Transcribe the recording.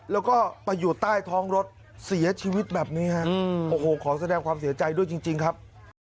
แล้วก็ไปอยู่ใต้ท้องรถเสียชีวิตแบบนี้ฮะโอ้โหขอแสดงความเสียใจด้วยจริงครับ